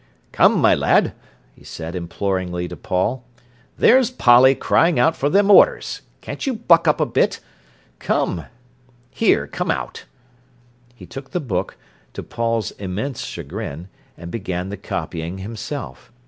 "Come, my lad," he said imploringly to Paul, "there's Polly crying out for them orders. Can't you buck up a bit? Here, come out!" He took the book, to Paul's immense chagrin, and began the copying himself.